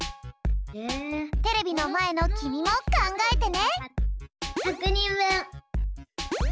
テレビのまえのきみもかんがえてね。